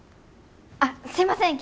あっすいません